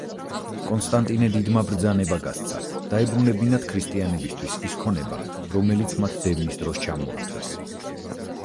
კონსტანტინე დიდმა ბრძანება გასცა, დაებრუნებინათ ქრისტიანებისათვის ის ქონება, რომელიც მათ დევნის დროს ჩამოართვეს.